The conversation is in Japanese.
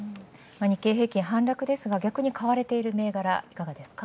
日経平均反落ですが、逆に買われている銘柄、いかがですか？